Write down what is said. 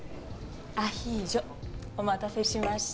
アヒージョお待たせしました。